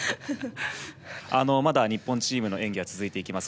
まだ日本チームの演技は続いていきます。